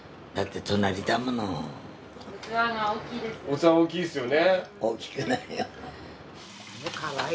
器大きいですよね。